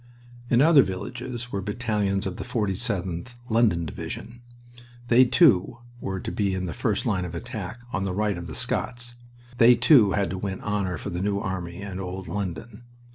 In other villages were battalions of the 47th London Division. They, too, were to be in the first line of attack, on the right of the Scots. They, too, had to win honor for the New Army and old London.